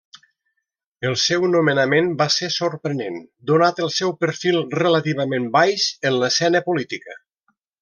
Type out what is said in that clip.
El seu nomenament va ser sorprenent, donat el seu perfil relativament baix en l'escena política.